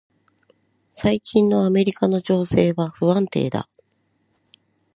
最近のアメリカの情勢は不安定だ。